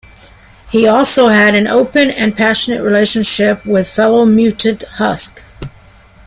He also had an open and passionate relationship with fellow mutant Husk.